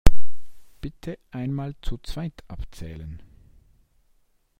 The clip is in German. Bitte einmal zu zweit abzählen!